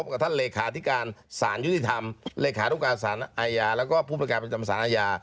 พอระเบียบบังคับหมดหมาย